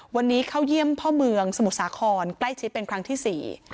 วันนี้เข้าเยี่ยมพ่อเมืองสมุทรสาครใกล้ชิดเป็นครั้งที่สี่